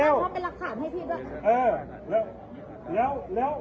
เออแล้ว